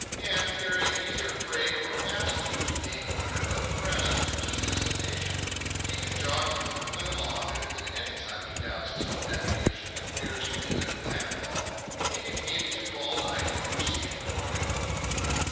And, carrying neither freight nor passengers, being under no press to reach his destination, he can jog comfortably along, and if at any time he doubts his own navigation and fears an imminent landfall, he can heave to all night and proceed in the morning.